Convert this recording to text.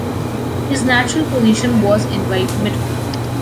His natural position was in right midfield.